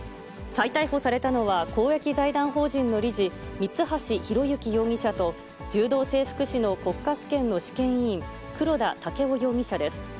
再逮捕されたのは、公益財団法人の理事、三橋裕之容疑者と、柔道整復師の国家試験の試験委員、黒田剛生容疑者です。